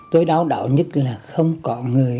tôi đau đau nhất là không có người